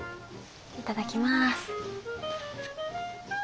いただきます。